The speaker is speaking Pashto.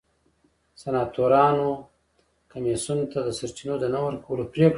سناتورانو کمېسیون ته د سرچینو د نه ورکولو پرېکړه وکړه.